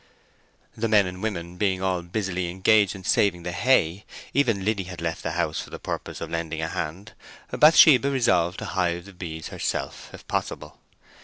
The men and women being all busily engaged in saving the hay—even Liddy had left the house for the purpose of lending a hand—Bathsheba resolved to hive the bees herself, if possible.